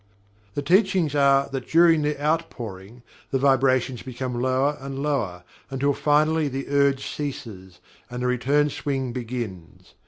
The Teachings are that during the "Outpouring," the vibrations become lower and lower until finally the urge ceases, and the return swing begins.